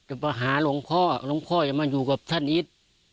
ก็บอกว่าอยู่มาหาหลวงพ่อหลวงพ่อยอยู่กับท่านอิฐ